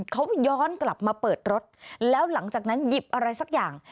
เขาย้อนกลับมาเปิดรถแล้วหลังจากนั้นหยิบอะไรสักอย่าง